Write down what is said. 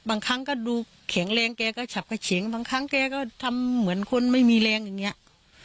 บางครั้งก็ดูแข็งแรงแกก็ฉับกระเฉียงบางครั้งแกก็ทำเหมือนคนไม่มีแรงอย่างนี้